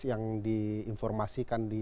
yang diinformasikan di